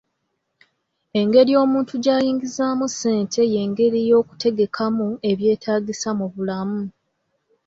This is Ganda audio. Engeri omuntu gy'ayingizaamu ssente y'engeri y'okutegekamu ebyetaagisa mu bulamu.